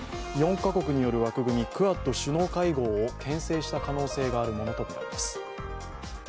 ４カ国による枠組みクアッド首脳会合をけん制した可能性があります。